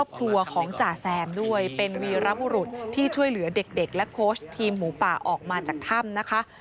เป็นวีรับรุษที่ช่วยเหลือเด็กและโคชทีมหมูป่าออกมาจากถ้ำนะคะ